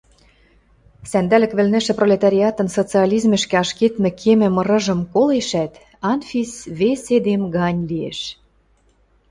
Сӓндӓлӹк вӹлнӹшӹ пролетариатын социализмӹшкӹ ашкед кемӹ мырыжым колешӓт, Анфис вес эдем гань лиэш.